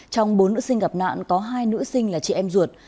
trong bốn nữ sinh gặp nạn có hai nữ sinh là chị em ruột